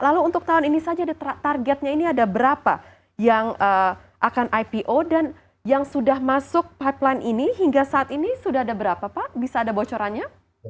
lalu untuk tahun ini saja targetnya ini ada berapa yang akan ipo dan yang sudah masuk pipeline ini hingga saat ini sudah ada berapa pak bisa ada bocorannya